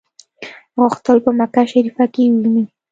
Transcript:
غوښتل په مکه شریفه کې وویني.